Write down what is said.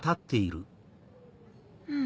うん。